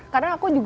karena aku jauh